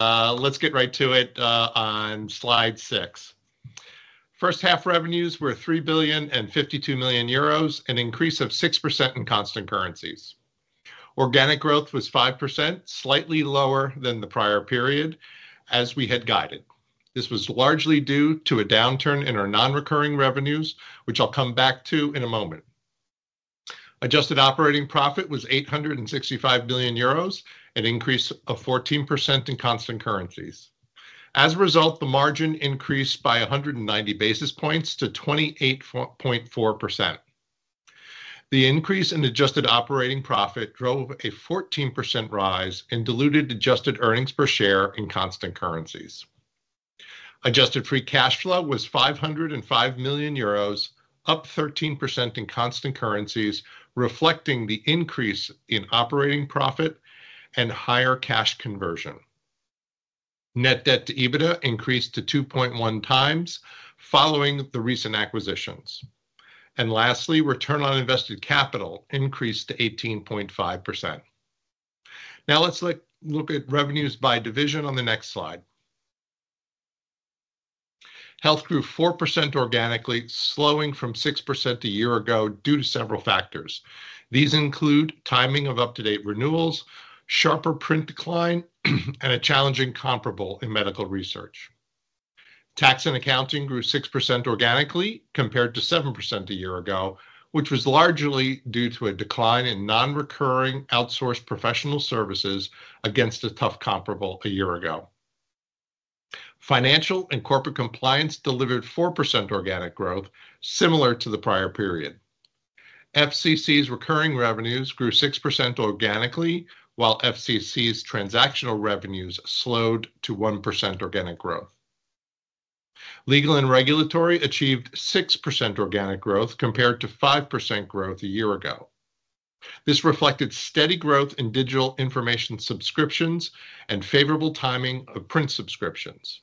Let's get right to it on slide 6. First half revenues were 3,052 million euros, an increase of 6% in constant currencies. Organic growth was 5%, slightly lower than the prior period as we had guided. This was largely due to a downturn in our non recurring revenues, which I'll come back to in a moment. Adjusted operating profit was 865 million euros, an increase of 14% in constant currencies. As a result, the margin increased by 190 basis points to 28.4%. The increase in adjusted operating profit drove a 14% rise in diluted adjusted earnings per share in constant currencies. Adjusted free cash flow was 505 million euros, up 13% in constant currencies, reflecting the increase in operating profit and higher cash conversion. Net debt to EBITDA increased to 2.1x following the recent acquisitions. Lastly, return on invested capital increased to 18.5%. Now let's look at revenues by division on the next slide. Health grew 4% organically, slowing from 6% a year ago due to several factors. These include timing of UpToDate renewals, sharper print decline, and a challenging comparable in medical research. Tax and accounting grew 6% organically compared to 7% a year ago, which was largely due to a decline in non recurring outsourced professional services against a tough comparable a year ago. Financial and corporate compliance delivered 4% organic growth similar to the prior period. FCC's recurring revenues grew 6% organically while FCC's transactional revenues slowed to 1% organic growth. Legal and regulatory achieved 6% organic growth compared to 5% growth a year ago. This reflected steady growth in digital information subscriptions and favorable timing of print subscriptions.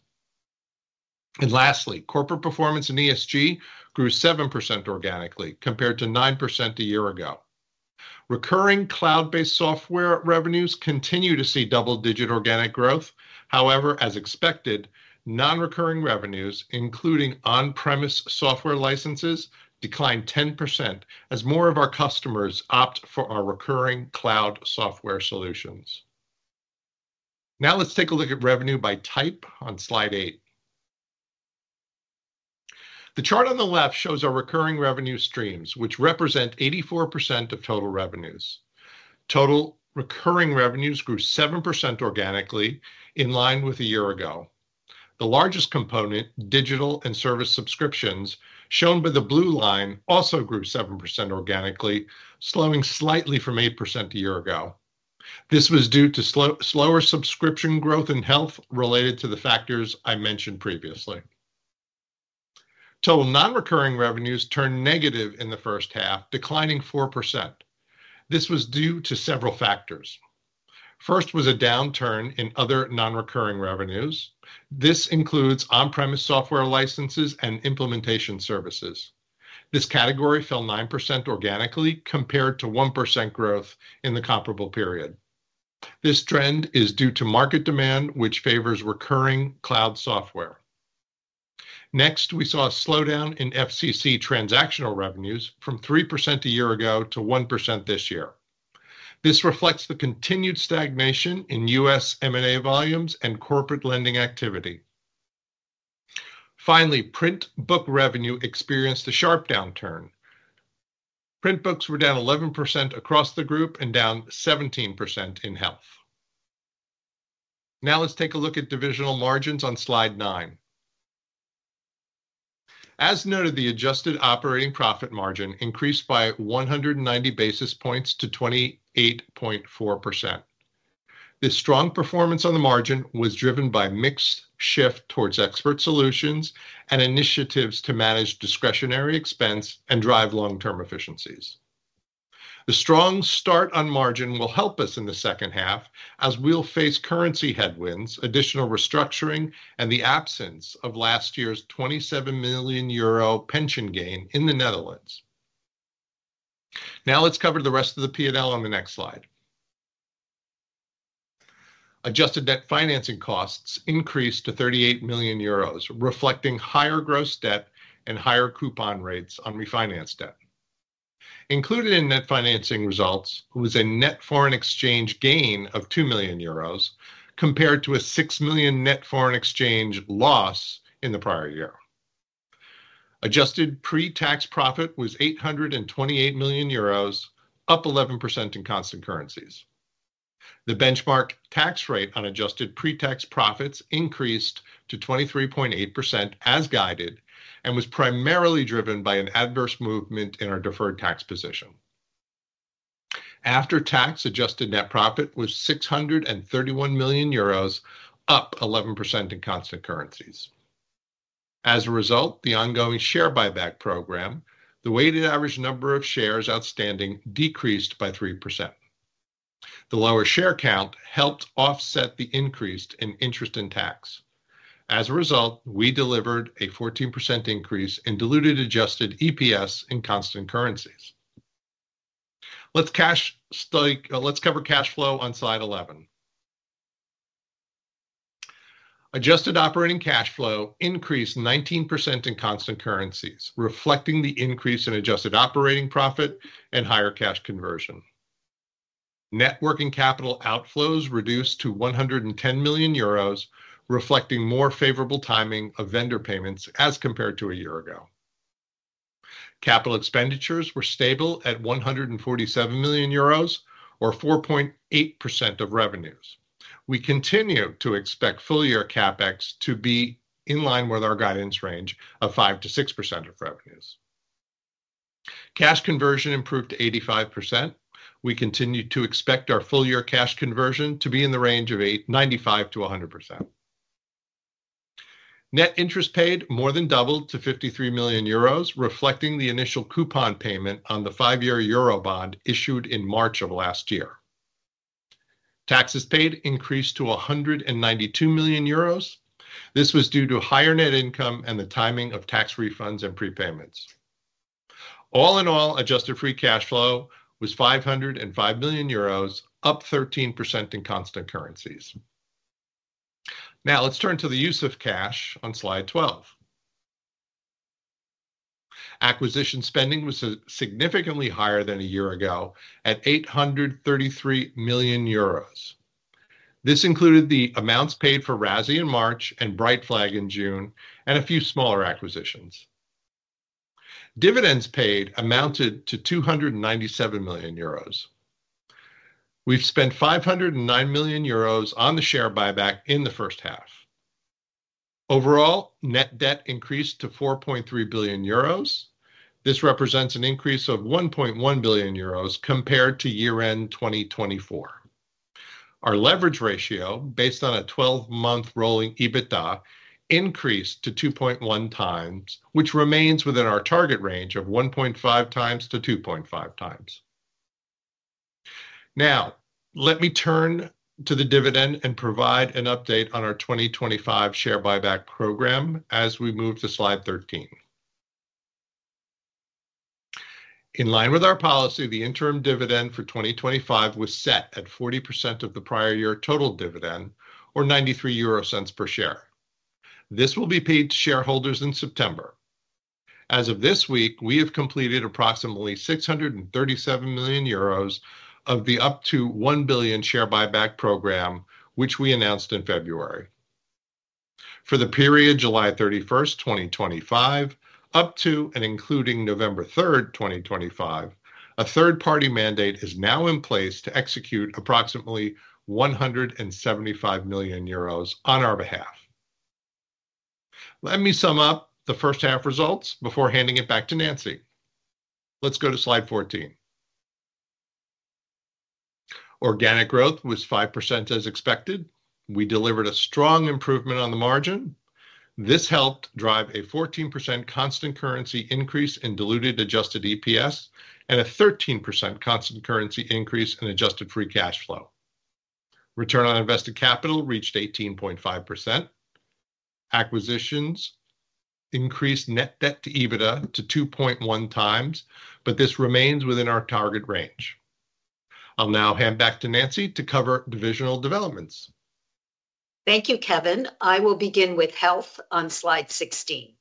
Lastly, Corporate Performance & ESG grew 7% organically compared to 9% a year ago. Recurring cloud based software revenues continue to see double digit organic growth. However, as expected, non recurring revenues including on premise software licenses declined 10% as more of our customers opt for our recurring cloud software solutions. Now let's take a look at revenue by type on slide 8. The chart on the left shows our recurring revenue streams which represent 84% of total revenues. Total recurring revenues grew 7% organically in line with a year ago. The largest component, digital and service subscriptions, shown by the blue line, also grew 7% organically, slowing slightly from 8% a year ago. This was due to slower subscription growth in health. Related to the factors I mentioned previously, total non recurring revenues turned negative in the first half, declining 4%. This was due to several factors. First was a downturn in other non recurring revenues. This includes on premise software licenses and implementation services. This category fell 9% organically compared to 1% growth in the comparable period. This trend is due to market demand which favors recurring cloud software. Next we saw a slowdown in FCC transactional revenues from 3% a year ago to 1% this year. This reflects the continued stagnation in U.S. M&A volumes and corporate lending activity. Finally, print book revenue experienced a sharp downturn. Print books were down 11% across the group and down 17% in health. Now let's take a look at divisional margins on Slide 9. As noted, the adjusted operating profit margin increased by 190 basis points to 28.4%. This strong performance on the margin was driven by mix shift towards expert solutions and initiatives to manage discretionary expense and drive long term efficiencies. The strong start on margin will help us in the second half as we'll face currency headwinds, additional restructuring and the absence of last year's 27 million euro pension gain in the Netherlands. Now let's cover the rest of the P and L. On the next slide, adjusted net financing costs increased to 38 million euros reflecting higher gross debt and higher coupon rates on refinance debt. Included in net financing results was a net foreign exchange gain of 2 million euros compared to a 6 million net foreign exchange loss in the prior year. Adjusted pre tax profit was 828 million euros, up 11% in constant currencies. The benchmark tax rate on adjusted pre tax profits increased to 23.8% as guided and was primarily driven by an adverse movement in our deferred tax position. After tax, adjusted net profit was 631 million euros, or up 11% in constant currencies. As a result of the ongoing share buyback program, the weighted average number of shares outstanding decreased by 3%. The lower share count helped offset the increase in interest and tax. As a result, we delivered a 14% increase in diluted adjusted EPS in constant currencies. Let's cover cash flow on Slide 11. Adjusted operating cash flow increased 19% in constant currencies reflecting the increase in adjusted operating profit and higher cash conversion. Net working capital outflows reduced to 110 million euros reflecting more favorable timing of vendor payments as compared to a year ago. Capital expenditures were stable at 147 million euros or 4.8% of revenues. We continue to expect full year CapEx to be in line with our guidance range of 5%-6% of revenues. Cash conversion improved to 85%. We continue to expect our full year cash conversion to be in the range of 95%-100%. Net interest paid more than doubled to 53 million euros reflecting the initial coupon payment on the five year euro bond issued in March of last year. Taxes paid increased to 192 million euros. This was due to higher net income and the timing of tax refunds and prepayments. All in all, adjusted free cash flow was 505 million euros, up 13% in constant currencies. Now let's turn to the use of cash on slide 12. Acquisition spending was significantly higher than a year ago at 833 million euros. This included the amounts paid for RASi in March and Brightflag in June and a few smaller acquisitions. Dividends paid amounted to 297 million euros. We've spent 509 million euros on the share buyback. In the first half. Overall net debt increased to 4.3 billion euros. This represents an increase of 1.1 billion euros compared to year end 2024. Our leverage ratio based on a 12 month rolling EBITDA increased to 2.1x, which remains within our target range of 1.5x-2.5x. Now let me turn to the dividend and provide an update on our 2025 share buyback program as we move to Slide 13. In line with our policy, the interim dividend for 2025 was set at 40% of the prior year total dividend or 0.93 per share. This will be paid to shareholders in September. As of this week, we have completed approximately 637 million euros of the up to 1 billion share buyback program which we announced in February. For the period July 31st, 2025 up to and including November 3rd, 2025. A third party mandate is now in place to execute approximately 175 million euros on our behalf. Let me sum up the first half results before handing it back to Nancy. Let's go to slide 14. Organic growth was 5%. As expected, we delivered a strong improvement on the margin. This helped drive a 14% constant currency increase in diluted adjusted EPS and a 13% constant currency increase in adjusted free cash flow. Return on invested capital reached 18.5%. Acquisitions increased net debt to EBITDA to 2.1x, but this remains within our target range. I'll now hand back to Nancy to cover divisional developments. Thank you, Kevin. I will begin with Health. On slide 16,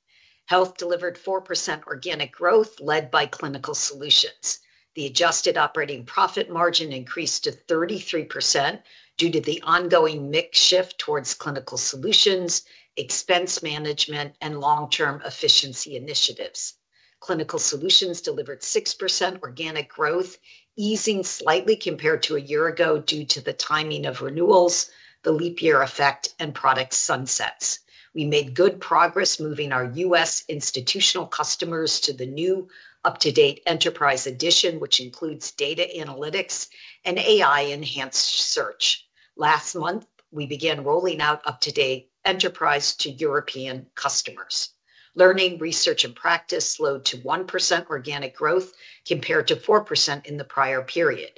Health delivered 4% organic growth led by Clinical Solutions. The adjusted operating profit margin increased to 33% due to the ongoing mix shift towards Clinical Solutions, expense management and long term efficiency initiatives. Clinical Solutions delivered 6% organic growth, easing slightly compared to a year ago due to the timing of renewals, the leap year effect and product sunsets. We made good progress moving our U.S. Institutional customers to the new UpToDate Enterprise edition which includes data analytics and AI enhanced search. Last month we began rolling out UpToDate. Enterprise to European customers. Learning, Research and Practice slowed to 1% organic growth compared to 4% in the prior period.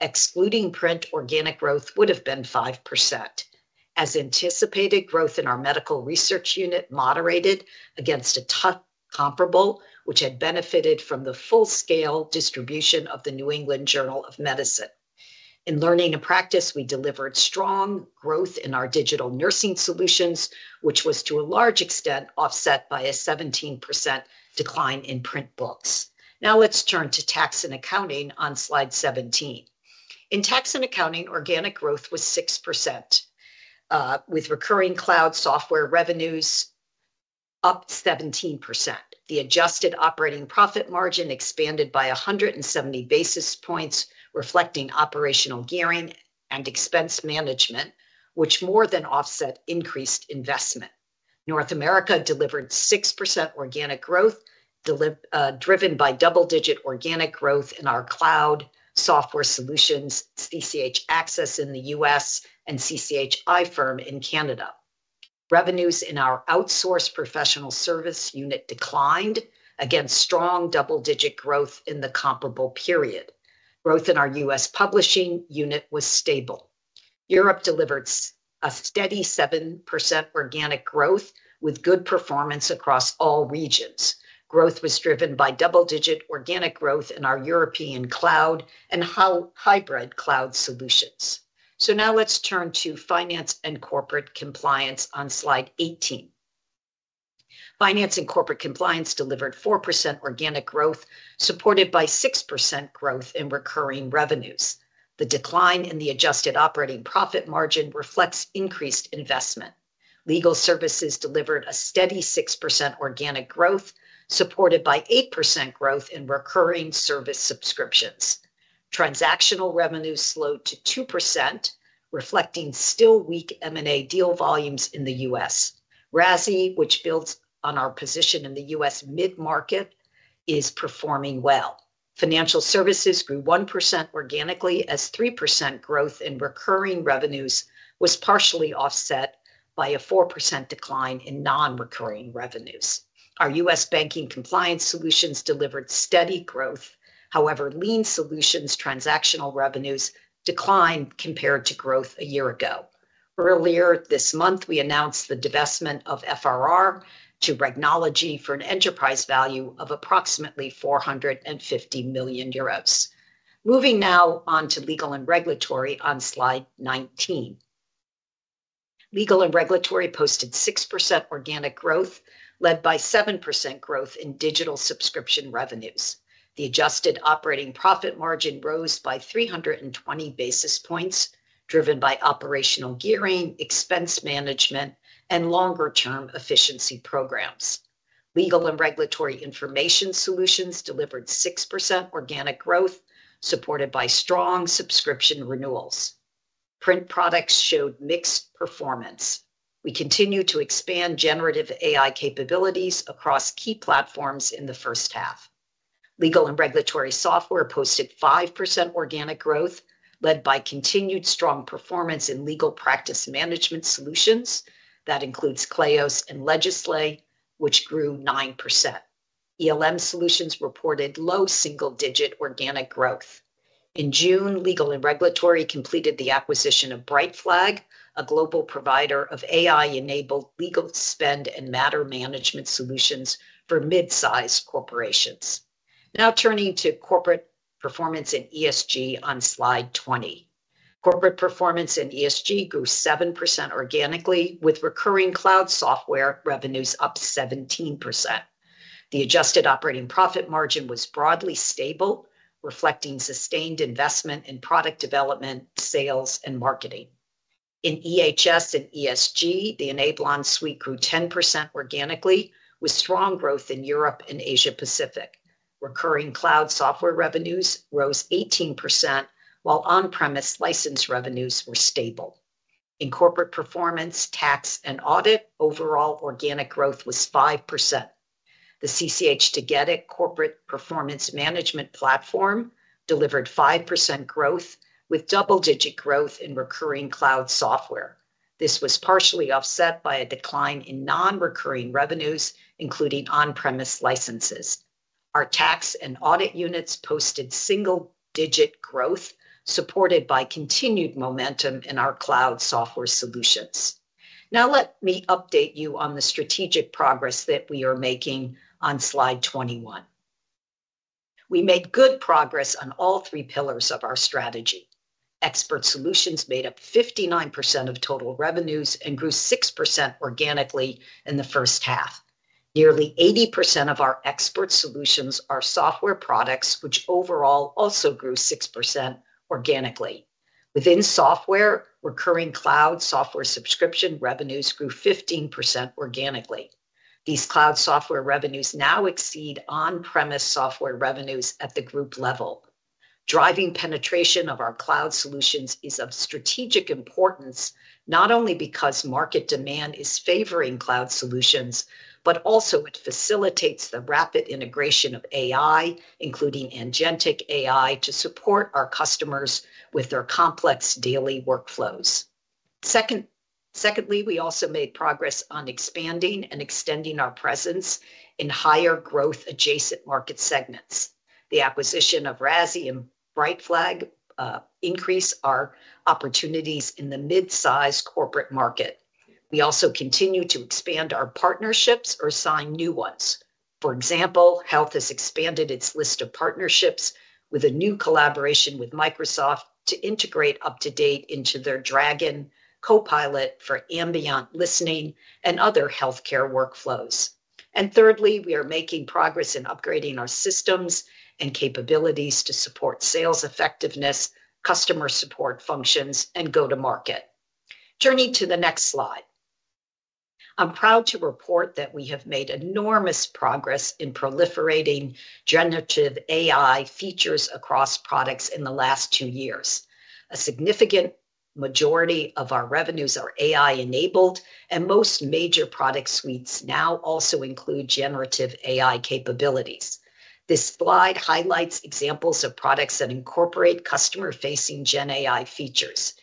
Excluding print, organic growth would have been 5% as anticipated. Growth in our medical research unit moderated against a tough comparable which had benefited from the full-scale distribution of the New England Journal of Medicine in Learning and Practice. We delivered strong growth in our digital nursing solutions which was to a large extent offset by a 17% decline in print books. Now let's turn to Tax and Accounting. On slide 17 in Tax and Accounting, organic growth was 6% with recurring cloud software revenues up 17%. The adjusted operating profit margin expanded by 170 basis points reflecting operational gearing and expense management which more than offset increased investment. North America delivered 6% organic growth driven by double-digit organic growth in our cloud software solutions, CCH Access in the U.S. and CCH iFirm in Canada. Revenues in our outsourced professional service unit declined against strong double-digit growth in the comparable period. Growth in our U.S. publishing unit was stable. Europe delivered a steady 7% organic growth with good performance across all regions. Growth was driven by double-digit organic growth in our European cloud and hybrid cloud solutions. Now let's turn to Finance and Corporate Compliance. On slide 18, Finance and Corporate Compliance delivered 4% organic growth supported by 6% growth in recurring revenues. The decline in the adjusted operating profit margin reflects increased investment. Legal Services delivered a steady 6% organic growth supported by 8% growth in recurring service subscriptions. Transactional revenues slowed to 2% reflecting still. Weak M&A deal volumes in. The U.S. RASi, which builds on our position in the U.S. mid market, is performing well. Financial services grew 1% organically as 3% growth in recurring revenues was partially offset by a 4% decline in non recurring revenues. Our U.S. banking compliance solutions delivered steady growth. However, Lien Solutions transactional revenues declined compared. To growth a year ago. Earlier this month we announced the divestment of FRR to Regnology for an enterprise value of approximately 450 million euros. Moving now on to Legal and Regulatory. On slide 19, Legal and Regulatory posted 6% organic growth led by 7% growth in digital subscription revenues. The adjusted operating profit margin rose by 320 basis points driven by operational gearing, expense management and longer term efficiency programs. Legal and Regulatory information solutions delivered 6% organic growth supported by strong subscription renewals. Print products showed mixed performance. We continue to expand generative AI capabilities across key platforms. In the first half, Legal and Regulatory software posted 5% organic growth led by continued strong performance in legal practice management solutions that includes Clio and Legisway which grew 9%. ELM Solutions reported low single digit organic growth. In June, Legal and Regulatory completed the acquisition of Brightflag, a global provider of AI-enabled legal spend and matter management solutions for mid-sized corporations. Now turning to Corporate Performance & ESG on slide 20, Corporate Performance & ESG grew 7% organically with recurring cloud software revenues up 17%. The adjusted operating profit margin was broadly stable reflecting sustained investment in product development, sales and marketing in EHS and ESG. The Enablon suite grew 10% organically with strong growth in Europe and Asia Pacific. Recurring cloud software revenues rose 18% while on-premise license revenues were stable in Corporate Performance, Tax and Audit. Overall organic growth was 5%. The CCH Tagetik corporate performance management platform delivered 5% growth with double digit growth in recurring cloud software. This was partially offset by a decline in non-recurring revenues including on-premise licenses. Our Tax and Audit units posted single digit growth supported by continued momentum in our cloud software solutions. Now let me update you on the strategic progress that we are making on slide 21. We made good progress on all three pillars of our strategy. Expert solutions made up 59% of total revenues and grew 6% organically in the first half. Nearly 80% of our expert solutions are software products which overall also grew 6% organically. Within software, recurring cloud software subscription revenues grew 15% organically. These cloud software revenues now exceed on. On-premise software revenues at the group level. Driving penetration of our cloud solutions is of strategic importance not only because market demand is favoring cloud solutions, but also it facilitates the rapid integration of AI including agentic AI to support our customers with their complex daily workflows. Secondly, we also made progress on expanding and extending our presence in higher growth adjacent market segments. The acquisition of RASi and Brightflag increase our opportunities in the mid-sized corporate market. We also continue to expand our partnerships or sign new ones. For example, Health has expanded its list of partnerships with a new collaboration with Microsoft to integrate UpToDate into their Dragon Copilot for ambient listening and other healthcare workflows. Thirdly, we are making progress in upgrading our systems and capabilities to support sales effectiveness, customer support functions and go to market. Turning to the next slide, I'm proud to report that we have made enormous progress in proliferating generative AI features across products in the last two years. A significant majority of our revenues are AI enabled and most major product suites. Now also include generative AI capabilities. This slide highlights examples of products that incorporate customer-facing GenAI features.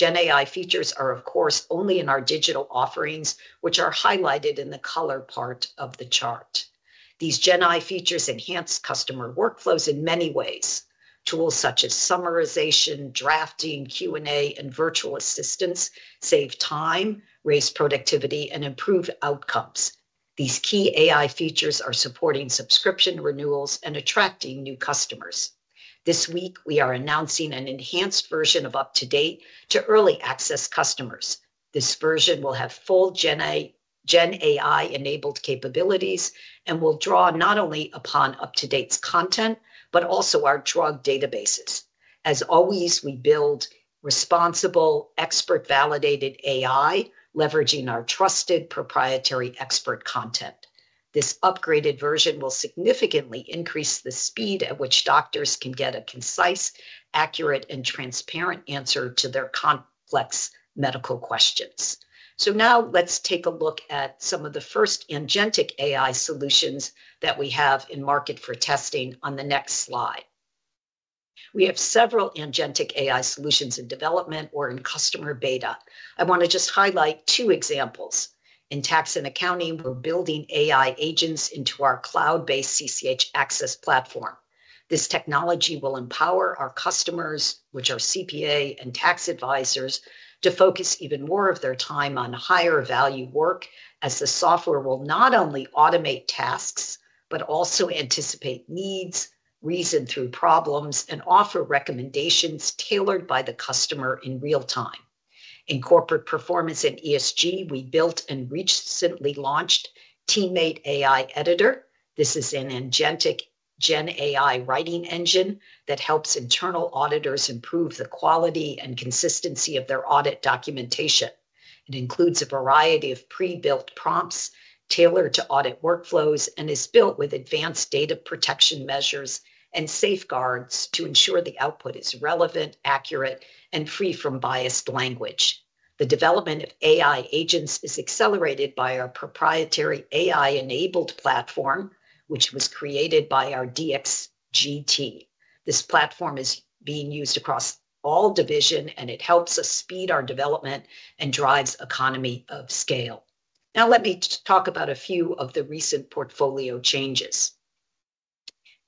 These GenAI features are of course only in our digital offerings, which are highlighted in the colored part of the chart. These GenAI features enhance customer workflows in many ways. Tools such as summarization, drafting, Q&A, and virtual assistants save time, raise productivity, and improve outcomes. These key AI features are supporting subscription renewals and attracting new customers. This week we are announcing an enhanced version of UpToDate to Early Access customers. This version will have full GenAI-enabled capabilities and will draw not only upon UpToDate content but also our drug databases. As always, we build responsible, expert-validated AI leveraging our trusted proprietary expert content. This upgraded version will significantly increase the speed at which doctors can get a concise and accurate and transparent answer to their complex medical questions. Now let's take a look at some of the first agentic AI solutions. That we have in market for testing. On the next slide we have several agentic AI solutions in development or in customer beta. I want to just highlight two examples. In Tax and Accounting, we're building AI agents into our cloud-based CCH Access platform. This technology will empower our customers, which are CPA and tax advisors, to focus even more of their time on higher. Value work as the software will not. Only automate tasks but also anticipate needs, reason through problems, and offer recommendations tailored by the customer in real time. In Corporate Performance & ESG, we built and recently launched TeamMate AI Editor. This is an agentic gen AI writing engine that helps internal auditors improve the quality and consistency of their audit documentation. It includes a variety of pre-built prompts tailored to audit workflows and is built with advanced data protection measures and safeguards to ensure the output is relevant, accurate, and free from biased language. The development of AI agents is accelerated by our proprietary AI-enabled platform, which was created by our DXGT. This platform is being used across all divisions and it helps us speed our. Development and drives economy of scale. Now let me talk about a few of the recent portfolio changes.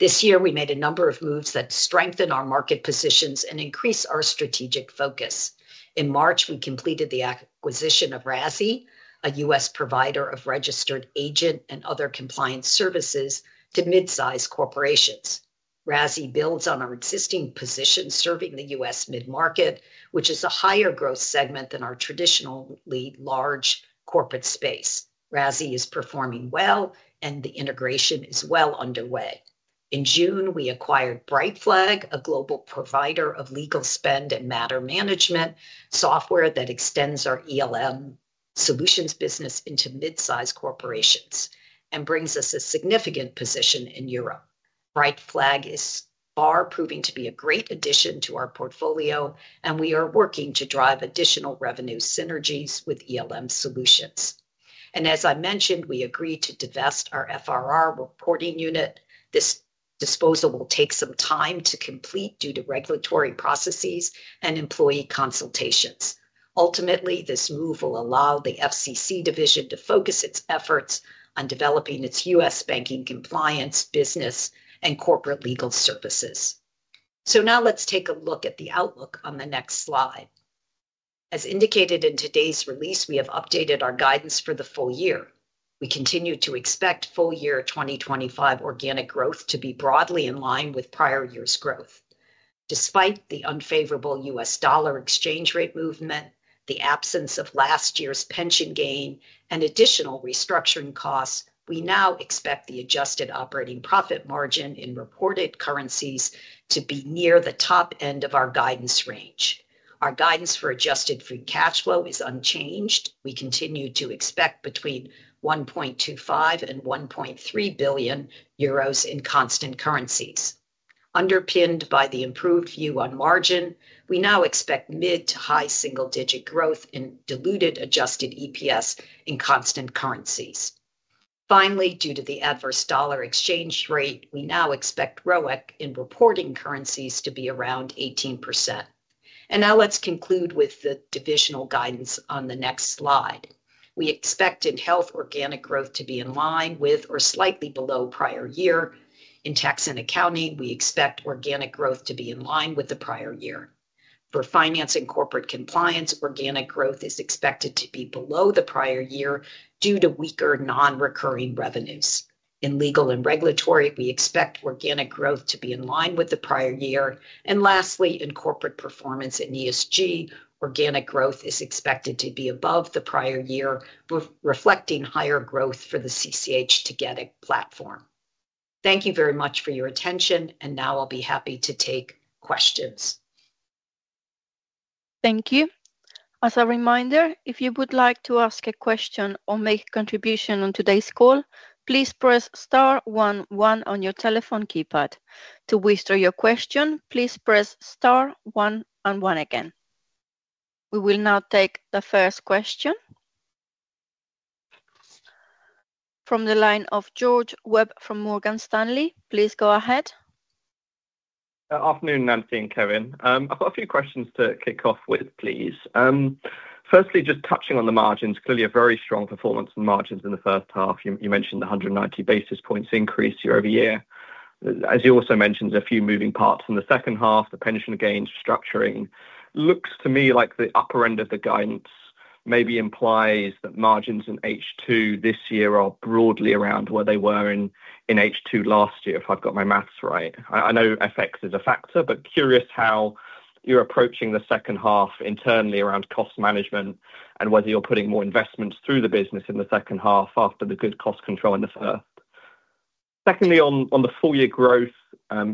This year we made a number of moves that strengthen our market positions and increase our strategic focus. In March we completed the acquisition of RASi, a U.S. provider of registered agent and other compliance services to mid sized corporations. RASi builds on our existing position serving the U.S. mid market, which is a higher growth segment than our traditionally large corporate space. RASi is performing well and the integration is well underway. In June we acquired Brightflag, a global provider of legal, spend and matter management software that extends our ELM Solutions business into mid sized corporations and brings us a significant position in Europe. Brightflag is proving to be a great addition to our portfolio and we are working to drive additional revenue synergies with ELM Solutions. As I mentioned, we agreed to divest our FRR reporting unit. This disposal will take some time to complete due to regulatory processes and employee consultations. Ultimately, this move will allow the FCC division to focus its efforts on developing its U.S. banking compliance business and corporate legal services. Now let's take a look at the outlook on the next slide. As indicated in today's release, we have updated our guidance for the full year. We continue to expect full year 2025 organic growth to be broadly in line with prior year's growth. Despite the unfavorable US dollar exchange rate movement, the absence of last year's pension gain and additional restructuring costs, we now expect the adjusted operating profit margin in reported currencies to be near the top end of our guidance range. Our guidance for adjusted free cash flow is unchanged. We continue to expect between 1.25 billion and 1.3 billion euros in constant currencies. Underpinned by the improved view on margin, we now expect mid to high single digit growth in diluted adjusted EPS in constant currencies. Finally, due to the adverse dollar exchange rate, we now expect return on invested capital in reporting currencies to be around 18%. Now let's conclude with the divisional guidance on the next slide. We expect in Health organic growth to be in line with or slightly below prior year. In Tax & Accounting we expect organic growth to be in line with the prior year. For Finance & Corporate Compliance, organic growth is expected to be below the prior year due to weaker non recurring revenues. In Legal & Regulatory, we expect organic growth to be in line with the prior year. Lastly, in Corporate Performance & ESG, organic growth is expected to be above the prior year reflecting higher growth for the CCH Tagetik platform. Thank you very much for your attention and now I'll be happy to take questions. Thank you. As a reminder, if you would like to ask a question or make a contribution on today's call, please press star one one on your telephone keypad. To withdraw your question, please press star one and one again. We will now take the first question from the line of George Webb from Morgan Stanley, please go ahead. Afternoon, Nancy and Kevin. I've got a few questions to kick off with, please. Firstly, just touching on the margins. Clearly a very strong performance and margins in the first half you mentioned 190 basis points increase year over year. As you also mentioned a few moving parts in the second half. The pension gains structuring looks to me like the upper end of the guidance maybe implies that margins in H2 this year are broadly around where they were in H2 last year, if I've got my maths right. I know FX is a factor, but curious how you're approaching the second half internally around cost management and whether you're putting more investments through the business in the second half after the good cost control in the first. Secondly, on the full year growth,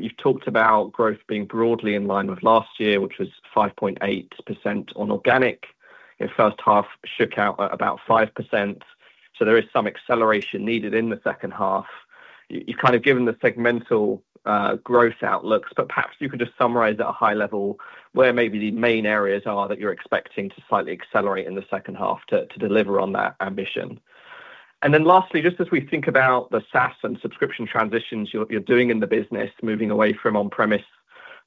you've talked about growth being broadly in line with last year, which was 5.8% on organic in first half, shook out about 5%. So there is some acceleration needed in the second half. You've kind of given the segmental growth outlooks, but perhaps you could just summarize at a high level where maybe the main areas are that you're expecting to slightly accelerate in the second half to deliver on that ambition. And then lastly, just as we think about the SaaS and subscription transitions you're doing in the business, moving away from on premise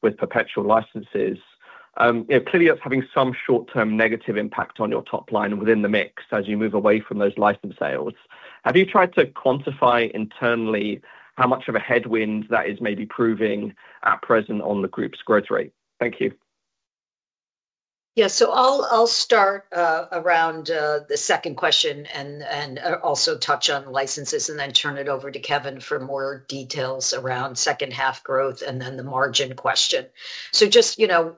with perpetual licenses, clearly that's having some short term negative impact on your top line within the mix as you move away from those license sales. Have you tried to quantify internally how much of a headwind that is maybe proving at present on the group's growth rate? Thank you. Yeah, so I'll start around the second question and also touch on licenses. Will turn it over to Kevin for. More details around second half growth. The margin question. Just, you know,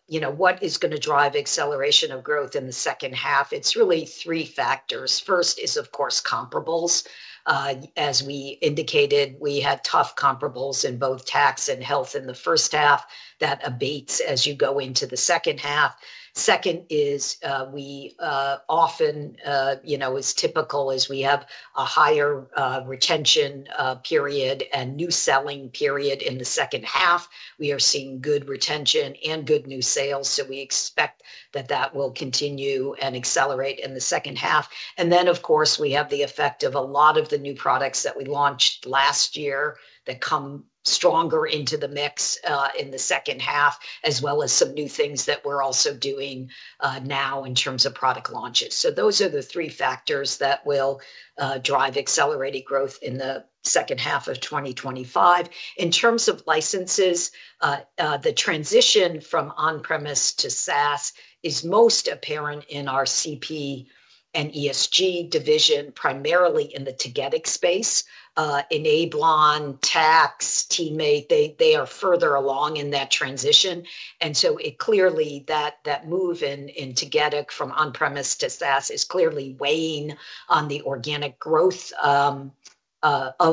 what is going to drive acceleration of growth. In the second half? It's really three factors. First is of course comparables. As we indicated, we had tough comparables in both Tax and Health in the first half. That abates as you go into the second half. Second is we often, you know, is typical as we have a higher retention. Period and new selling period in the second half, we are seeing good retention. Good new sales. We expect that that will continue and accelerate in the second half. Of course, we have the effect of a lot of the new products that we launched last year that come stronger into the mix in the second half as well as some new things that we're also doing now. Terms of product launches. Those are the three factors that. Will drive accelerated growth in the second half of 2025. In terms of licenses. The transition from on-premise to SaaS. Is most apparent in our CP & ESG division, primarily in the Tagetik space. Enablon, Tax, TeamMate. They are further along in that transition. It clearly that move in. Tagetik from on-premise to SaaS is. Clearly weighing on the organic growth of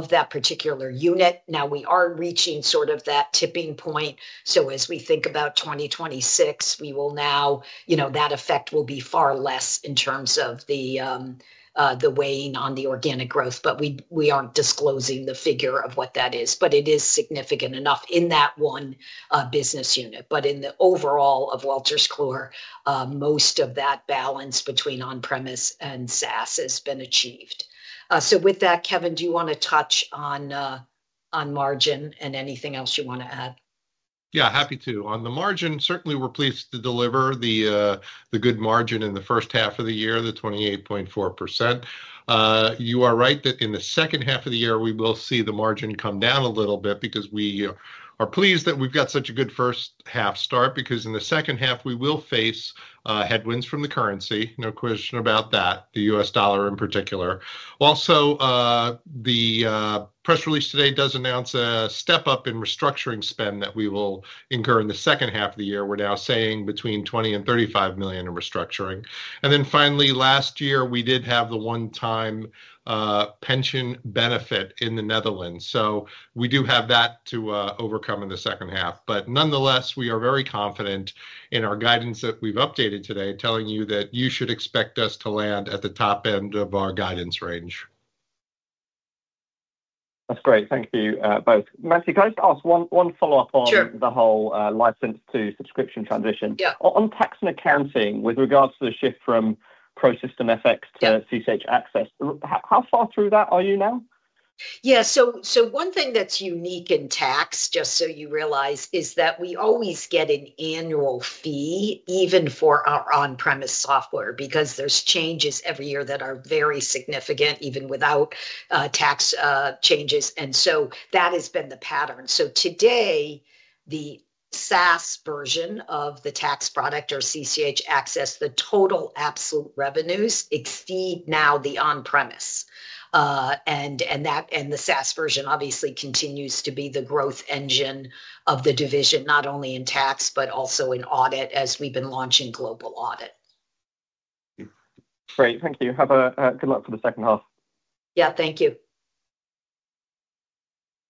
that particular unit. Now we are reaching sort of that tipping point. As we think about 2026, we will now, you know, that effect will be far less in terms of the weighing on the organic growth. We aren't disclosing the figure of what that is, but it is significant enough in that one business unit. In the overall of Wolters Kluwer, most of that balance between on premise. SaaS has been achieved. With that, Kevin, do you want. To touch on margin and anything else. You want to add? Yeah, happy to. On the margin. Certainly we're pleased to deliver the good margin in the first half of the year, the 28.4%. You are right that in the second half of the year we will see the margin come down a little bit because we are pleased that we've got such a good first half start because in the second half we will face headwinds from the currency. No question about that. The U.S. dollar in particular. Also the press release today does announce a step up in restructuring spend that we will incur in the second half of the year. We're now saying between 20 million and 35 million in restructuring. Finally, last year we did have the one time pension benefit in the Netherlands. We do have that to overcome in the second half. Nonetheless, we are very confident in our guidance that we've updated today telling you that you should expect us to land at the top end of our guidance range. That's great. Thank you both. Nancy, can I just ask one follow? Up on the whole license to subscription transition on Tax & Accounting with regards to the shift from ProSystem fx to CCH Access, how far through that are you now? Yeah, so one thing that's unique in. Tax, just so you realize, is that we always get an annual fee even for our on-premise software because there's changes every year that are very significant even without tax changes. That has been the pattern. Today the SaaS version of the. Tax product or CCH Access, the total. Absolute revenues exceed now the on-premise. The SaaS version obviously continues to be the growth engine of the division, not only in tax but also in audit as we've been launching Global Audit. Great, thank you. Have a good luck for the second half. Yeah, thank you.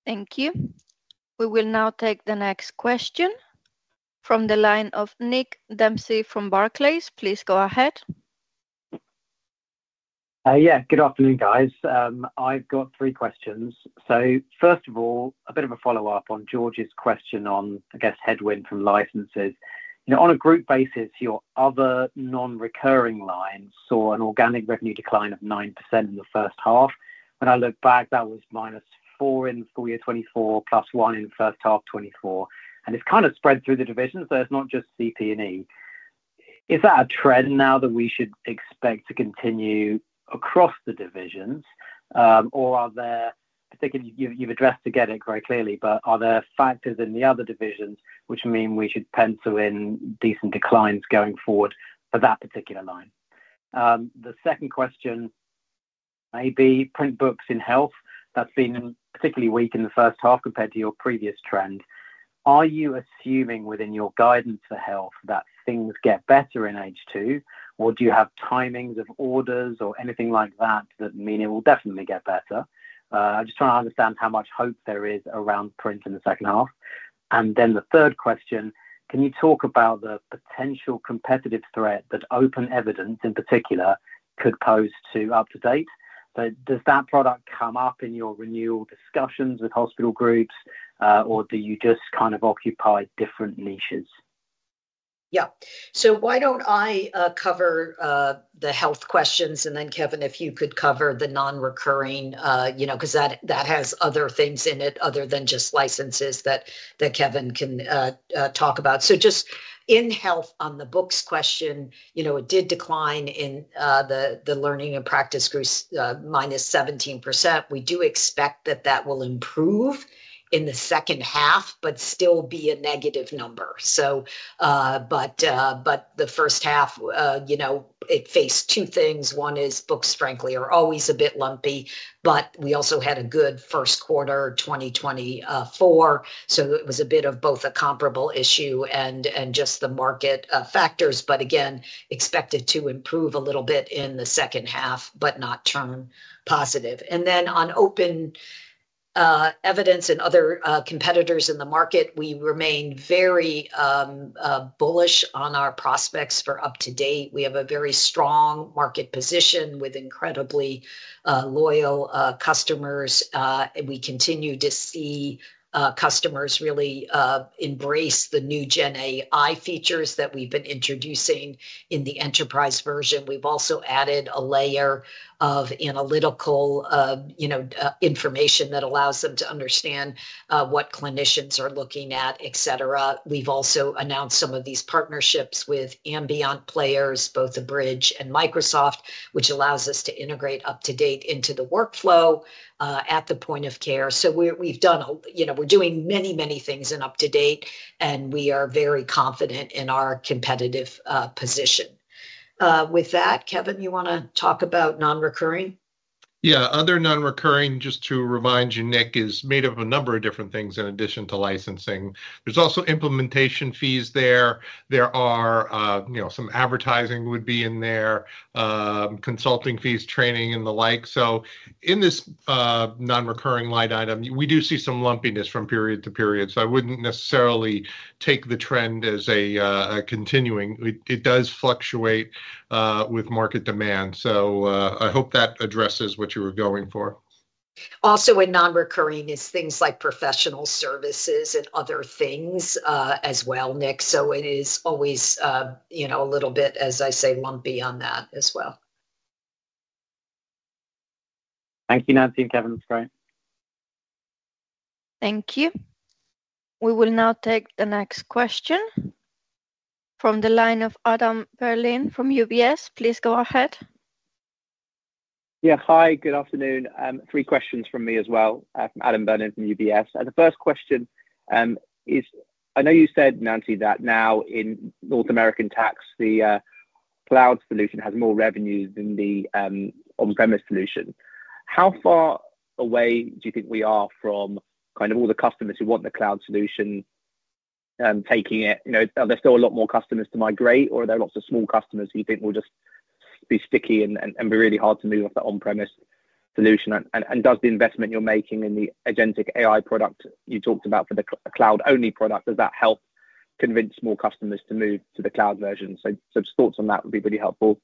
Thank you. We will now take the next question from the line of Nick Dempsey from Barclays. Please go ahead. Yeah, good afternoon guys. I've got three questions, so first of all a bit of a follow up on George's question on, I guess, headwind from licenses on a group basis. Your other non-recurring line saw an organic revenue decline of 9% in the first half. When I look back, that was minus 4% in full year 2024, plus 1% in first half 2024. And it's kind of spread through the division, so it's not just CP & E. Is that a trend now that we should expect to continue across the divisions, or are there particularly—you've addressed Tagetik very clearly, but are there factors in the other divisions which mean we should pencil in decent declines going forward for that particular line? The second question, maybe print books in Health, that's been particularly weak in the first half compared to your previous trend. Are you assuming within your guidance for Health that things get better in H2, or do you have timings of orders or anything like that that mean it will definitely get better? I just try to understand how much hope there is around print in the second half. And then the third question, can you talk about the potential competitive threat that OpenEvidence could pose to UpToDate, but does that product come up in your renewal discussions with hospital groups, or do you just kind of occupy different niches? Yeah, so why don't I cover the. Health questions and then Kevin, if you. Could cover the non-recurring, you know, because that has other things in it other than just licenses that Kevin can talk about. Just in Health on the books. Question, you know, it did decline in the learning and practice -17%. We do expect that that will improve in the second half but still be a negative number. The first half, you know, it faced two things. One is books, frankly, are always a bit lumpy. We also had a good first quarter 2024, so it was a bit of both a comparable issue and just the market factors. Again, expected to improve a little bit in the second half but not turn positive. On OpenEvidence and other competitors in the market, we remain very bullish on our prospects for UpToDate. We have a very strong market position with incredibly loyal customers. We continue to see customers really embrace the new gen AI features that we've been introducing in the enterprise version. We've also added a layer of analytical, you know, information that allows them to understand what clinicians are looking at, et cetera. We've also announced some of these partnerships with ambient players, both Abridge and Microsoft, which allows us to integrate UpToDate into the workflow at the point of care. We've done, you know, we're doing. Many, many things in UpToDate. We are very confident in our competitive position with that. Kevin, you want to talk about non-recurring? Yeah. Other non-recurring, just to remind you, Nick, is made up of a number of different things. In addition to licensing, there's also implementation fees, there are, you know, some advertising would be in there, consulting fees, training and the like. In this non-recurring line item we do see some lumpiness from period to period. I would not necessarily take the trend as continuing. It does fluctuate with market demand. I hope that addresses what you were going for. Also in non-recurring is things like. Professional services and other things as well, Nick. It is always, you know, a little bit, as I say, lumpy on that as well. Thank you Nancy and Kevin, that's great. Thank you. We will now take the next question from the line of Adam Berlin from UBS. Please go ahead. Yeah, hi, good afternoon. Three questions from me as well. Adam Berlin from UBS. The first question is I know you said, Nancy, that now in North American tax, the cloud solution has more revenues than the on-premise solution. How far away do you think we are from kind of all the customers who want the cloud solution taking it? You know, there's still a lot more. Customers to migrate or are there lots of small customers you think will just? Be sticky and be really hard to move off the on-premise solution? Does the investment you're making in the agentic AI product you talked about? For the cloud only product, does that. Help convince more customers to move to the cloud version? Thoughts on that would be really helpful.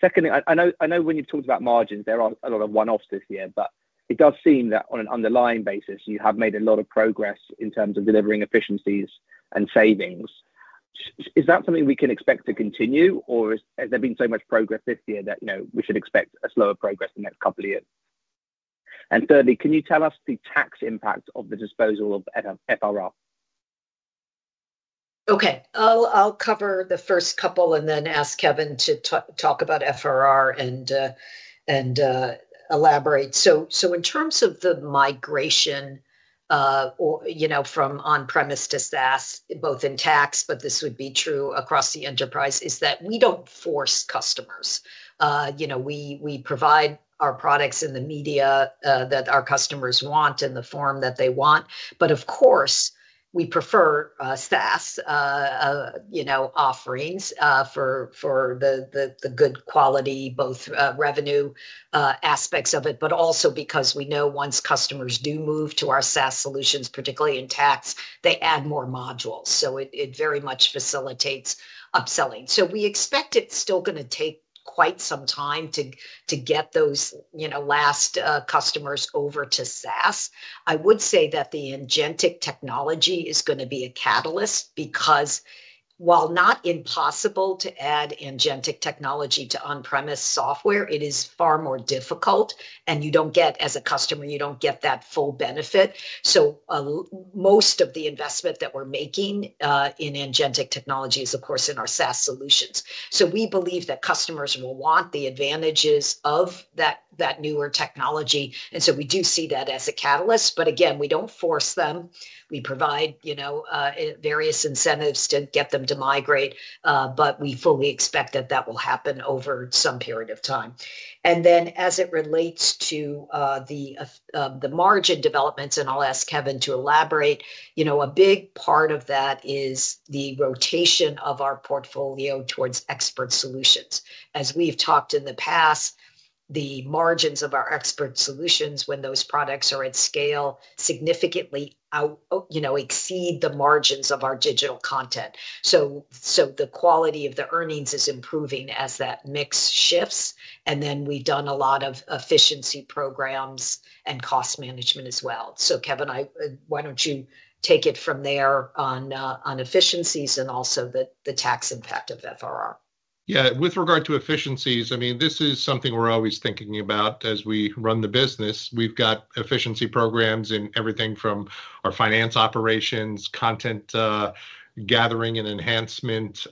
Secondly, I know when you've talked about margins, there are a lot of one offs this year, but it does seem that on an underlying basis you have made a lot of progress in terms of delivering efficiencies and savings. Is that something we can expect to continue or has there been so much progress this year that we should expect a slower progress the next couple of years? Thirdly, can you tell us the tax impact of the disposal of FRR? Okay, I'll cover the first couple. Ask Kevin to talk about FRR and elaborate. In terms of the migration from. On-premise to SaaS both in tax, but this would be true across the enterprise, is that we do not force customers. We provide our products in the media that our customers want, in the form that they want. Of course, we prefer SaaS offerings for the good quality, both revenue aspects of it, but also because we know once customers do move to our SaaS solutions, particularly in tax, they add more modules. It very much facilitates upselling. We expect it's still going to. Take quite some time to get those last customers over to SaaS. I would say that the agentic technology. Is going to be a catalyst because. While not impossible to add agentic technology. To on-premise software, it is far more difficult and you do not get as a customer, you do not get that full benefit. Most of the investment that we are making in agentic technology is of course. In our SaaS solutions. We believe that customers will want the advantages of that newer technology. We do see that as a catalyst. Again, we do not force them. We provide various incentives to get them to migrate, but we fully expect that will happen over some period of time. As it relates to the margin developments, and I'll ask Kevin to elaborate, a big part of that is the rotation of our portfolio towards expert solutions. As we've talked in the past, the. Margins of our expert solutions, when those. Products are at scale, significantly exceed the margins of our digital content. The quality of the earnings is. Improving as that mix shifts. Then we've done a lot of. Efficiency programs and cost management as well. Kevin, why don't you take it from there on efficiencies and also the. Tax impact of FRR. Yeah. With regard to efficiencies, I mean, this is something we're always thinking about as we run the business. We've got efficiency programs in everything from our finance, operations, content gathering and enhancement,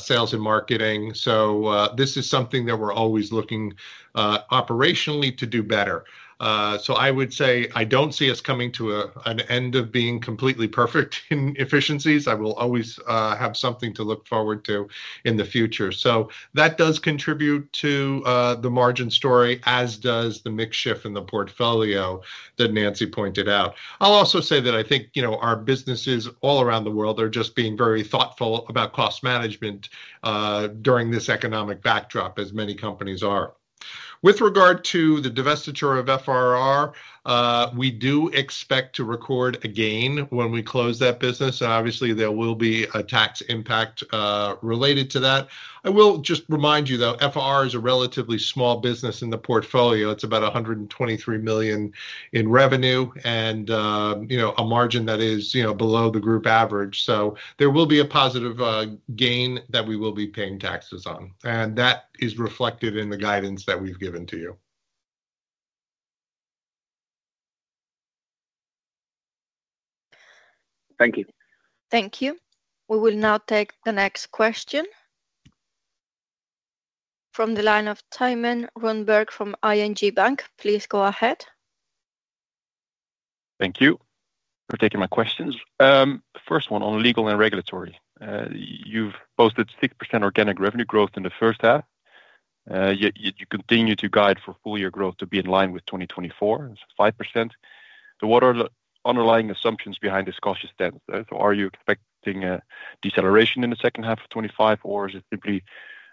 sales and marketing. This is something that we're always looking operationally to do better. I would say I don't see us coming to an end of being completely perfect in efficiencies. I will always have something to look forward to in the future. That does contribute to the margin story, as does the mix shift in the portfolio that Nancy pointed out. I'll also say that I think, you know, our businesses all around the world are just being very thoughtful about cost management during this economic backdrop, as many companies are. With regard to the divestiture of FRR, we do expect to record a gain when we close that business. Obviously there will be a tax impact related to that. I will just remind you though, FRR is a relatively small business in the portfolio. It's about 123 million in revenue and, you know, a margin that is, you know, below the group average. There will be a positive gain that we will be paying taxes on and that is reflected in the guidance that we've given to you. Thank you. Thank you. We will now take the next question from the line of Thymen Rundberg from ING Bank. Please go ahead. Thank you for taking my questions. First one on Legal & Regulatory. You've posted 6% organic revenue growth in the first half, yet you continue to guide for full year growth to be in line with 2024, 5%. What are the underlying assumptions behind this cautious stance? Are you expecting a deceleration in 2nd half of 2025 or is it simply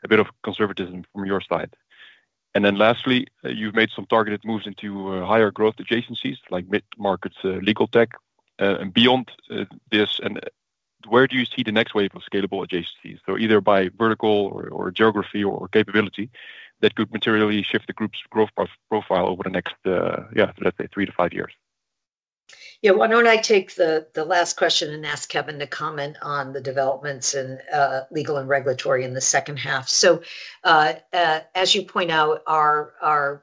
a bit of conservatism from your side? Lastly, you've made some targeted moves into higher growth adjacencies like mid market, legal, tech and beyond this. Where do you see the next wave of scalable adjacencies? Either by vertical or geography or capability that could materially shift the group's growth profile over the next, let's say three to five years. Yeah, why don't I take the last. Question and ask Kevin to comment on the developments in Legal & Regulatory in the second half. As you point out, our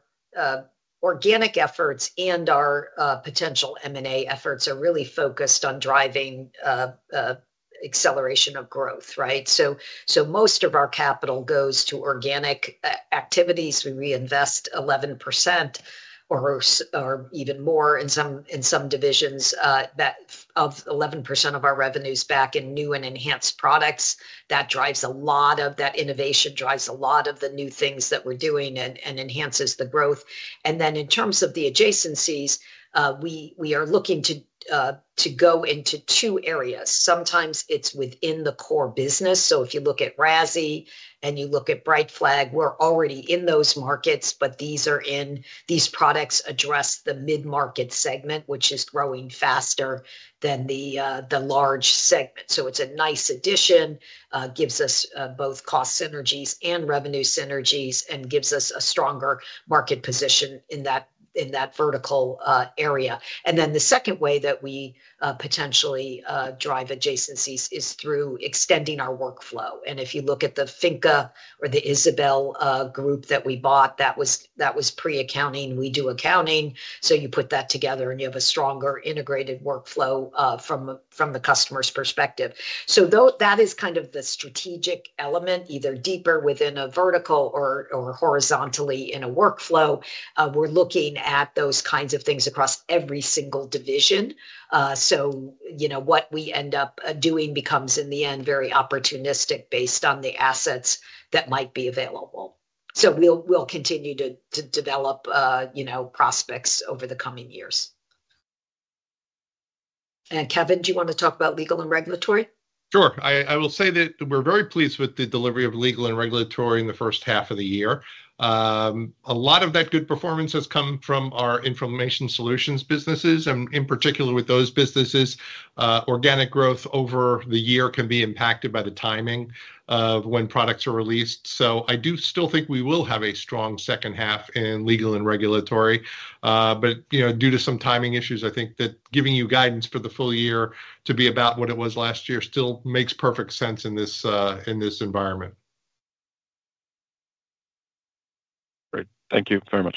organic efforts and our potential M&A efforts are really focused on driving acceleration of growth, right? Most of our capital goes to organic activities. We reinvest 11% or even more in some divisions, 11% of our revenues back in new and enhanced products. That drives a lot of that innovation, drives a lot of the new things. That we’re doing and enhances the growth. In terms of the adjacencies. We are looking to go into two areas. Sometimes it's within the core business. If you look at RASi and you look at Brightflag, we're already in those markets. These products address the mid market segment, which is growing faster than the large segment. It's a nice addition. Gives us both cost synergies and revenue synergies and gives us a stronger market position in that vertical area. The second way that we potentially drive adjacencies is through extending our workflow. If you look at the FINCA or the Isabel Group that we bought. That was pre accounting, we do accounting. You put that together and you have a stronger integrated workflow from the customer's perspective. That is kind of the strategic element, either deeper within a vertical or horizontally in a workflow. We're looking at those kinds of things. Across every single division. You know, what we end up doing becomes in the end very opportunistic based on the assets that might be available. We'll continue to develop prospects over the coming years. Kevin, do you want to talk about Legal & Regulatory? Sure. I will say that we're very pleased with the delivery of Legal & Regulatory in the first half of the year. A lot of that good performance has come from our information solutions businesses. In particular with those businesses, organic growth over the year can be impacted by the timing of when products are released. I do still think we will have a strong second half in Legal & Regulatory. You know, due to some timing issues, I think that giving you guidance for the full year to be about what it was last year still makes perfect sense in this environment. Great. Thank you very much.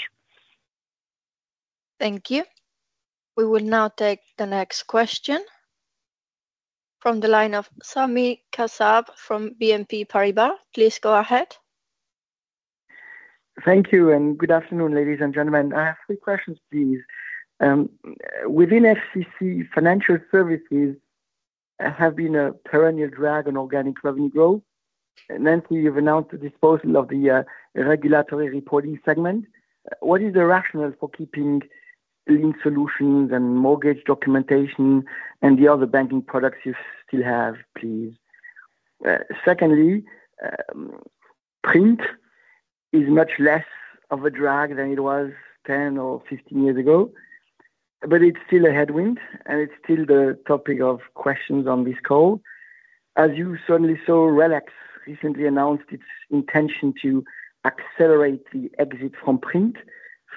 Thank you. We will now take the next question from the line of Sami Kassab from BNP Paribas. Please go ahead. Thank you. Good afternoon, ladies and gentlemen. I have three questions, please. Within FCC, financial services have been a perennial drag on organic revenue growth. Nancy, you have announced the disposal of the regulatory reporting segment. What is the rationale for keeping Lien Solutions and mortgage documentation and the other banking products you still have, please? Secondly, print is much less of a drag than it was 10 or 15 years ago, but it is still a headwind and it is still the topic of questions on this call. As you certainly saw, RELX recently announced its intention to accelerate the exit from print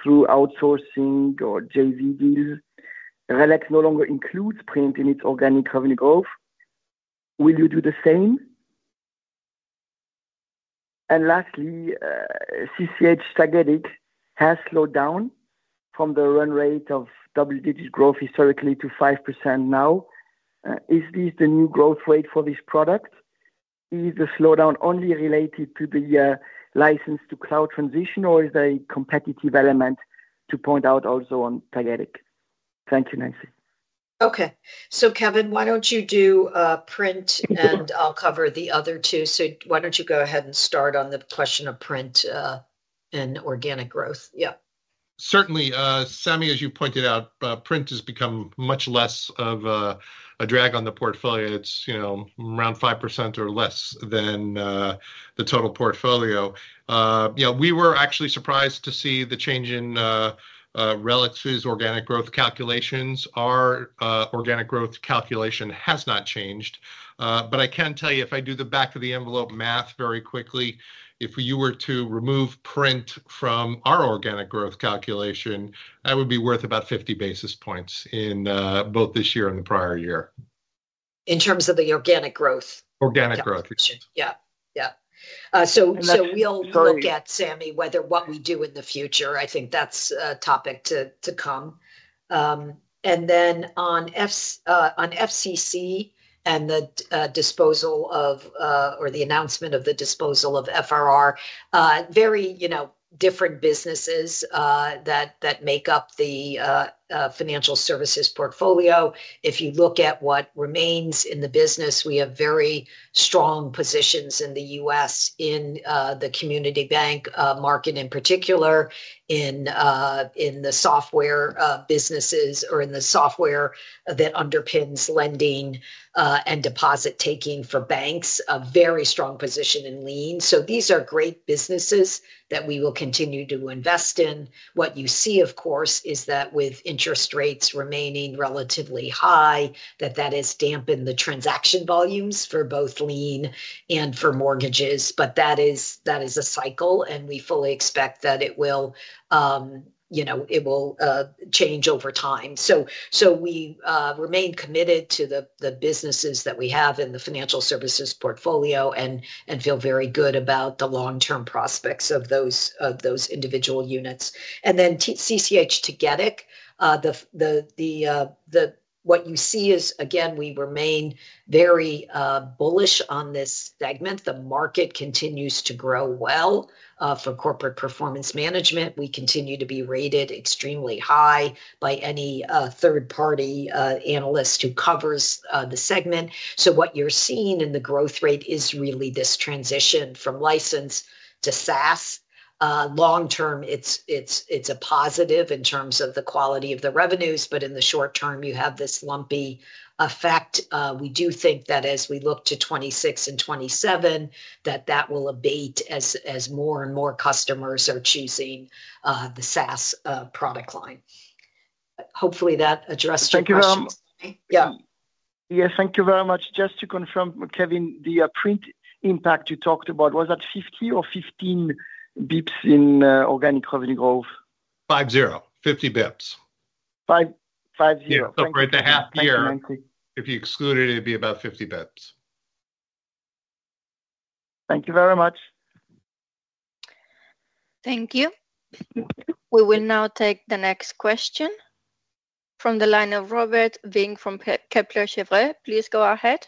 through outsourcing or JV deals. RELX no longer includes print in its organic revenue growth. Will you do the same? Lastly, CCH Tagetik has slowed down from the run rate of double-digit growth historically to 5%. Now, is this the new growth rate for this product? Is the slowdown only related to the license to cloud transition or is there a competitive element to point out also on Tagetik? Thank you, Nancy. Okay, so Kevin, why don't you do print and I'll cover the other two. Why don't you go ahead and. Start on the question of print and organic growth. Yeah, Certainly, Sami, as you pointed out, print has become much less of a drag on the portfolio. It's, you know, around 5% or less than the total portfolio. We were actually surprised to see the change in RELX organic growth calculations. Our organic growth calculation has not changed. I can tell you if I do the back of the envelope math very quickly. If you were to remove print from our organic growth calculation, that would be worth about 50 basis points in both this year and the prior year. Terms of the organic growth. Organic growth, Yeah. We'll look at Sami, whether what. We do in the future, I think that's a topic to come. On FCC and the disposal of or the announcement of the disposal of FRR, very different businesses that make up the financial services portfolio. If you look at what remains in the business, we have very strong positions in the U.S. in the community bank. Market in particular. In the software businesses or in the software that underpins lending and deposit taking for banks. A very strong position in Lien. These are great businesses that we. Will continue to invest in. What you see of course is that with interest rates remaining relatively high, that has dampened the transaction volumes for both Lien and for mortgages. That is a cycle and we fully expect that it will, you know, it will change over time. We remain committed to the businesses that we have in the financial services portfolio and feel very good about the long term prospects of those individual units. CCH Tagetik. What you see is again we remain very bullish on this segment. The market continues to grow well for corporate performance management. We continue to be rated extremely high by any third party analyst who covers the segment. What you're seeing in the growth rate is really this transition from license to SaaS. Long term it's a positive in terms. Of the quality of the revenues. In the short term you have this lumpy effect. We do think that as we look to 2026 and 2027 that that will abate as more and more customers are choosing the SaaS product line. Hopefully that addressed. Yeah, thank you very much. Just to confirm, Kevin, the printing impact you talked about, was that 50 or 15 bps in organic revenue growth? five, zero, 50 bps, five, zero. For the half year if you exclude it, it'd be about 50 bps. Thank you very much. Thank you. We will now take the next question from the line of Robert Vink from Kepler Cheuvreux. Please go ahead.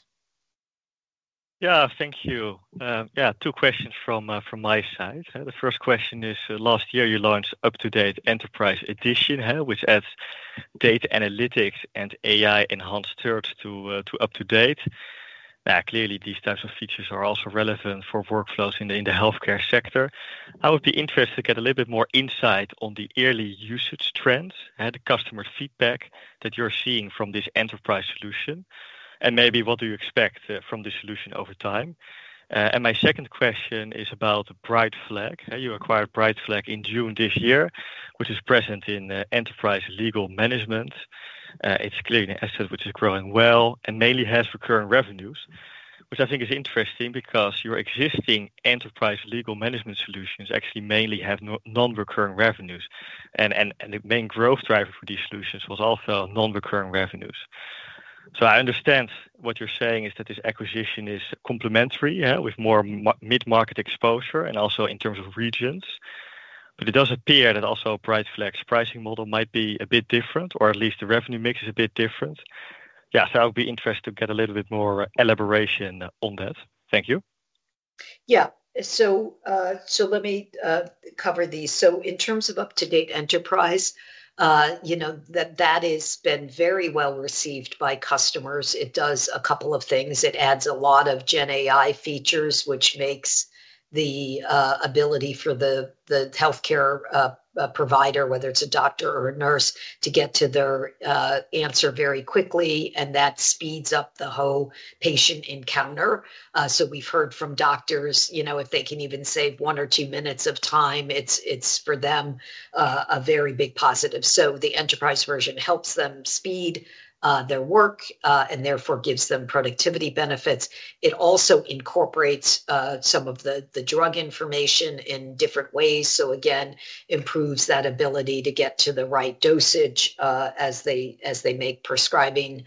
Yeah, thank you. Two questions from my side. The first question is last year you launched UpToDate Enterprise which adds data analytics and AI enhanced search to UpToDate. Clearly these types of features are also relevant for workflows in the healthcare sector. I would be interested to get a little bit more insight on the early usage trends and customer feedback that you're seeing from this enterprise solution. What do you expect from the solution over time? My second question is about Brightflag. You acquired Brightflag in June this year, which is present in enterprise legal management. It's clearly an asset which is growing well and mainly has recurring revenues, which I think is interesting because your existing enterprise legal management solutions actually mainly have non-recurring revenues and the main growth driver for these solutions was also non-recurring revenues. I understand what you're saying is that this acquisition is complementary with more mid-market exposure and also in terms of regions. It does appear that also Brightflag pricing model might be a bit different or at least the revenue mix is a bit different. Yeah. I'll be interested to get a little bit more elaboration on that. Thank you. Yeah, so let me cover these. In terms of UpToDate. Enterprise, you know that that has been. Very well received by customers. It does a couple of things. It adds a lot of gen AI features which makes the ability for the health care provider, whether it's a doctor or a nurse, to get to their answer very quickly and that speeds up the whole patient encounter. We've heard from doctors, you know, if they can even save one or two minutes of time, it's for them a very big positive. The enterprise version helps them speed. Their work and therefore gives them productivity benefits. It also incorporates some of the drug information in different ways, so again improves. That ability to get to the right. Dosage as they make prescribing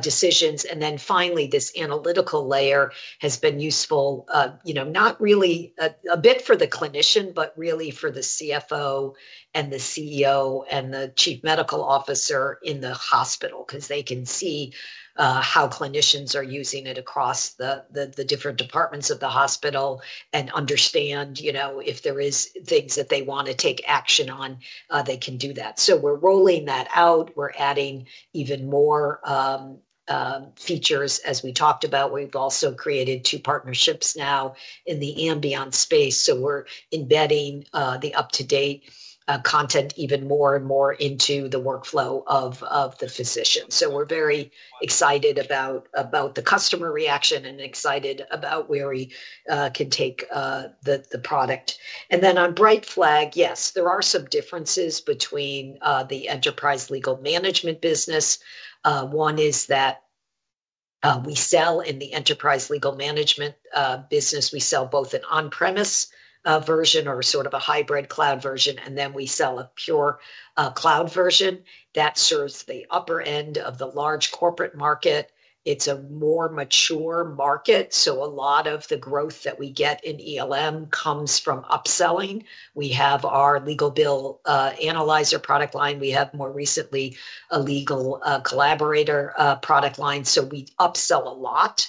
decisions. Finally, this analytical layer has been useful, not really a bit for the clinician, but really for the CFO and the CEO and the Chief Medical Officer in the hospital, because they can see how clinicians are using it across the different departments of the hospital and understand if there are things that they want to take action on, they can do that. We're rolling that out. We're adding even more features. As we talked about, we've also created. Two partnerships now in the ambient space. We're embedding the UpToDate content even more and more into the workflow of the physician. We're very excited about the customer reaction and excited about where we can take the product. On Brightflag, yes, there. are some differences between the enterprise legal management business. One is that we sell, in the enterprise legal management business, we sell both. An on-premise version or sort of. A hybrid cloud version and then we. Sell a pure cloud version that serves the upper end of the large corporate market. It's a more mature market. A lot of the growth that. We get in ELM comes from upselling. We have our Legal BillAnalyzer product line. We have more recently a LegalCollaborator product line. We upsell a lot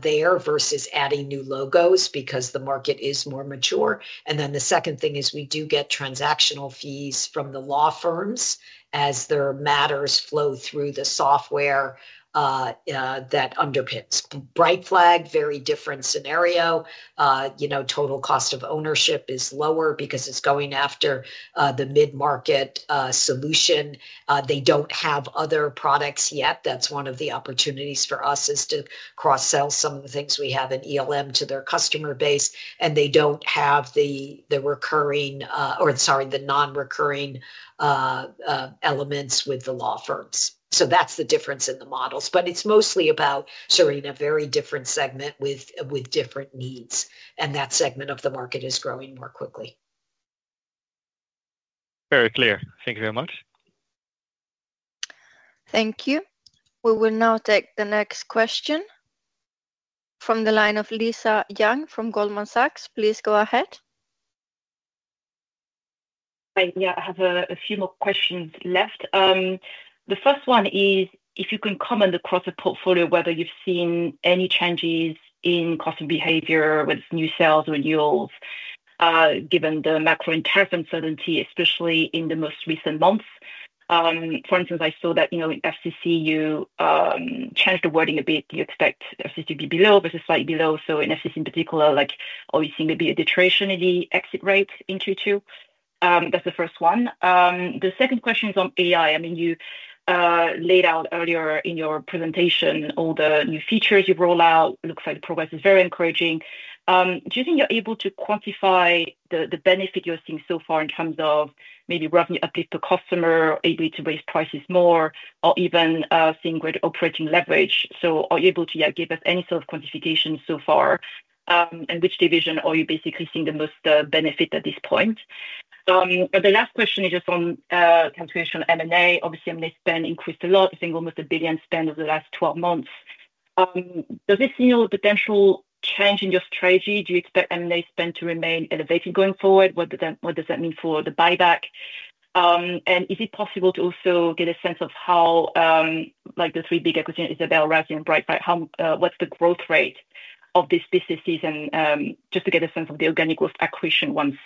there versus adding new logos because the market is more mature. The second thing is we do get transactional fees from the law firms as their matters flow through the software that underpins Brightflag. Very different scenario. You know, total cost of ownership is lower because it's going after the mid market solution. They do not have other products yet. That is one of the opportunities for us. Is to cross sell some of the. Things we have in ELM to their customer base. They do not have the recurring or, sorry, the non-recurring elements with the law firms. That is the difference in the models. It is mostly about serving a very different segment with different needs and that. Segment of the market is growing more quickly. Very clear. Thank you very much. Thank you. We will now take the next question from the line of Lisa Yang from Goldman Sachs. Please go ahead. Yeah, I have a few more questions left. The first one is if you can comment across the portfolio whether you've seen any changes in customer behavior with new sales or renewals given the macro and tariff uncertainty, especially in the most recent month. For instance, I saw that, you know, in FCC you changed the wording a bit. You expect FCC to be below versus slightly below. So in FCC in particular, like obviously maybe a deterioration in the exit rate in Q2. That's the first one. The second question is on AI. I mean, you laid out earlier in your presentation all the new features you roll out. Looks like the progress is very encouraging. Do you think you're able to quantify the benefit you're seeing so far in terms of maybe revenue uplift per customer, ability to raise prices more, or even seeing greater operating leverage? Are you able to give us any sort of quantification so far? And which division are you basically seeing the most benefit at this point? The last question is just on calculation. M&A. Obviously, M&A spend increased a lot. I think almost 1 billion spend over the last 12 months. Does this signal a potential change in your strategy? Do you expect M&A spend to remain elevated going forward? What does that mean for the buyback? Is it possible to also get a sense of how, like, the three big equity, Isabel, RASi, and Brightflag, what's the growth rate of this business season? Just to get a sense of the organic growth accretion once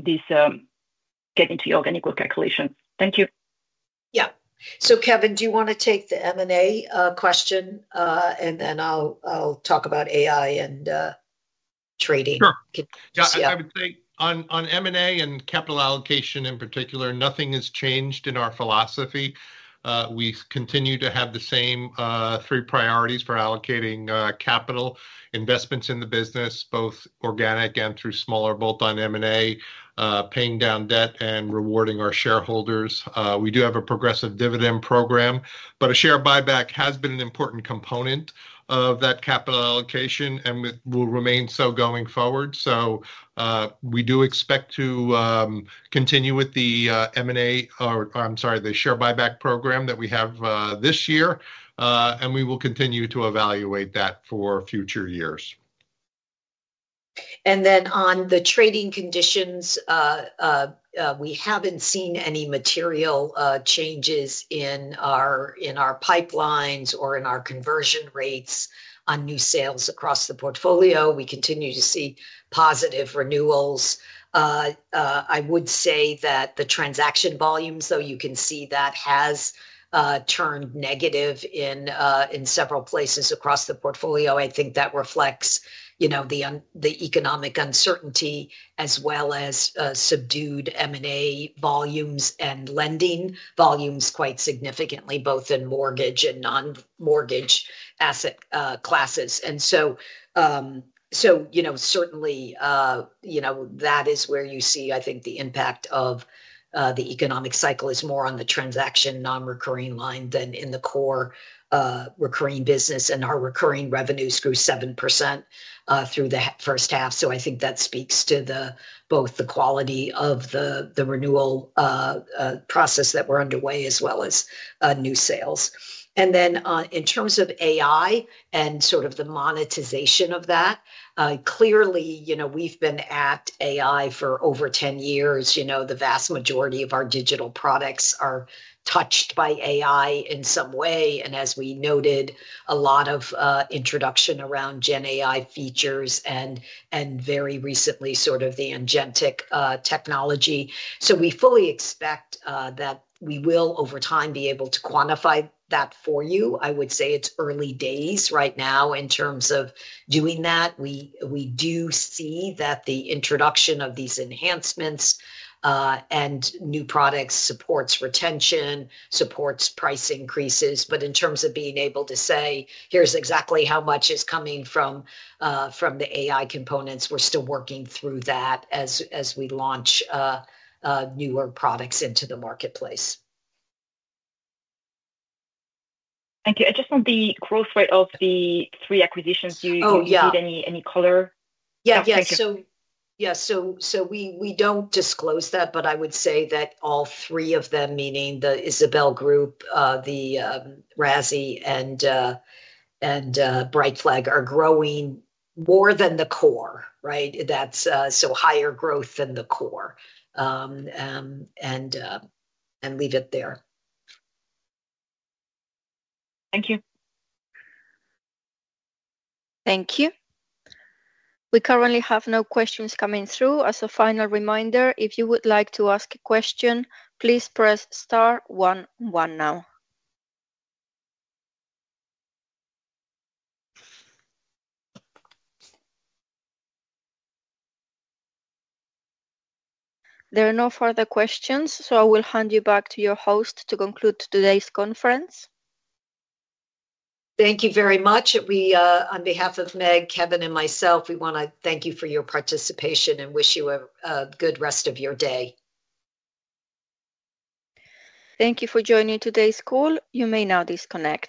these get into your organic growth calculations. Thank you. Yeah. Kevin, do you want to take. The M&A question and then I'll talk about AI and trading. I would say on M&A and capital allocation in particular, nothing has changed in our philosophy. We continue to have the same three priorities for allocating capital: investments in the business, both organic and through smaller bolt-on M&A, paying down debt, and rewarding our shareholders. We do have a progressive dividend program, but a share buyback has been an important component of that capital allocation and will remain so going forward. We do expect to continue with the M&A, I'm sorry, the share buyback program that we have this year and we will continue to evaluate that for future years. On the trading conditions, we have not seen any material changes in our pipelines or in our conversion rates on new sales across the portfolio. We continue to see positive renewals. I would say that the transaction volumes, though, you can see that has turned negative in several places across the portfolio. I think that reflects the economic uncertainty as well as subdued M&A volumes and lending volumes quite significantly, both in mortgage and non-mortgage asset classes. You know, certainly, that is where you see, I think, the impact of the economic cycle is more on the transaction non-recurring line than in the core recurring business. Our recurring revenues grew 7% through the first half. I think that speaks to both the quality of the renewal process that we are underway as well as new sales. In terms of AI and the monetization of that, clearly, we have been at AI for over 10 years. The vast majority of our digital products are touched by AI in some way, and as we noted, a lot of introduction around gen AI features and very recently the agentic technology. We fully expect that we will. Over time be able to quantify that for you. I would say it's early days right now in terms of doing that. We do see that the introduction of these enhancements and new products supports retention, supports price increases. In terms of being able to. Say here's exactly how much is coming from the AI components, we're still working through that as we launch newer products into the marketplace. Thank you. Just on the growth rate of the three acquisitions, you need any color? Yes. So we don't disclose that, but I. Would say that all three of them, meaning the Isabel Group, the RASi and Brightflag, are growing more than the core. Right. That's higher growth than the core and leave it there. Thank you. Thank you. We currently have no questions coming through. As a final reminder, if you would like to ask a question, please press star one one. There are no further questions, so I will hand you back to your host to conclude today's conference. Thank you very much. On behalf of Meg, Kevin and myself. We want to thank you for your. Participation and wish you a good rest of your day. Thank you for joining today's call. You may now disconnect.